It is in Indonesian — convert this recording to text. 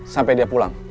sampai dia pulang